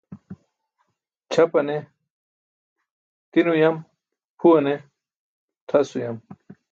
Ćʰapane tin uyam, phuwane tʰas uyam.